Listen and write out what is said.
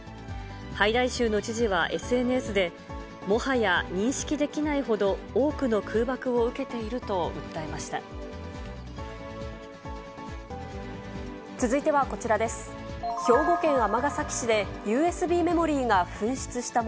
ハイダイ州の知事はＳＮＳで、もはや認識できないほど多くの空爆を受けていると訴えました。